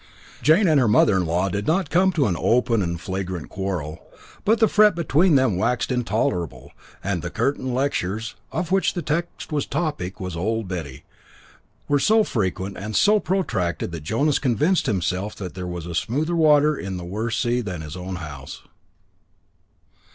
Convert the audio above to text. Jane and her mother in law did not come to an open and flagrant quarrel, but the fret between them waxed intolerable; and the curtain lectures, of which the text and topic was Old Betty, were so frequent and so protracted that Jonas convinced himself that there was smoother water in the worst sea than in his own house.